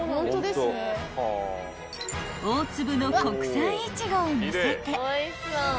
［大粒の国産イチゴをのせて］